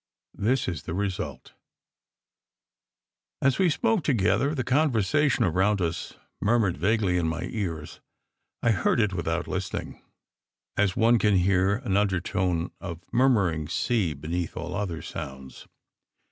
This is the result!" SECRET HISTORY 279 As we spoke together, the conversation around us mur mured vaguely in my ears. I heard it without listening, as one can hear an undertone of murmuring sea beneath all other sounds.